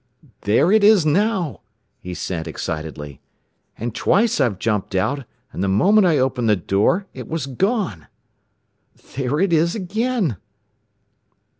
"There it is now!" he sent excitedly. "And twice I've jumped out, and the moment I opened the door it was gone! "There it is again!